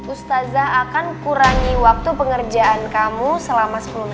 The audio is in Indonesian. ustazah akan kurangi waktu pengerjaan kamu selama sepuluh menit